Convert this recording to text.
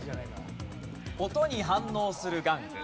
音に反応する玩具。